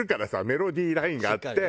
メロディーラインがあって。